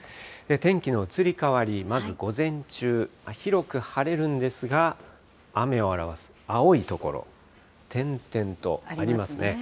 天気の移り変わり、まず午前中、広く晴れるんですが、あめを表す青い所、点々とありますね。